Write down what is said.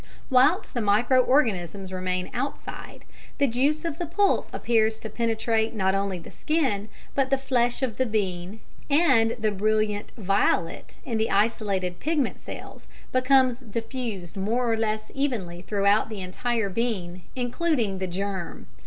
Whilst the micro organisms remain outside, the juice of the pulp appears to penetrate not only the skin, but the flesh of the bean, and the brilliant violet in the isolated pigment cells becomes diffused more or less evenly throughout the entire bean, including the "germ."